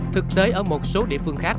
thực tế ở một số địa phương khác